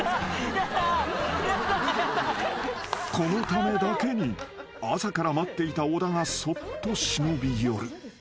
［このためだけに朝から待っていた小田がそっと忍び寄る］